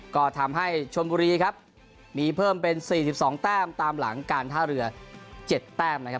ก็ทำให้ชมบุรีครับมีเพิ่มเป็น๔๒แต้มตามหลังการท่าเรือ๗แต้มนะครับ